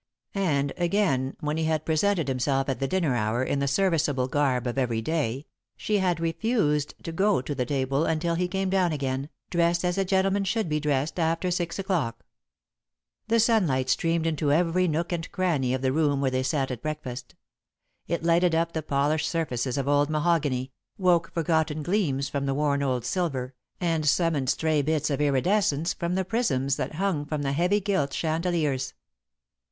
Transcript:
And, again, when he had presented himself at the dinner hour in the serviceable garb of every day, she had refused to go to the table until he came down again, "dressed as a gentleman should be dressed after six o'clock." The sunlight streamed into every nook and cranny of the room where they sat at breakfast. It lighted up the polished surfaces of old mahogany, woke forgotten gleams from the worn old silver, and summoned stray bits of iridescence from the prisms that hung from the heavy gilt chandeliers.